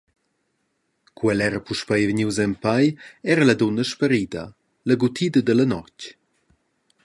Cu el era puspei vegnius en pei, era la dunna sparida, laguttida dalla notg.